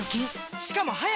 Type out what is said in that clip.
しかも速く乾く！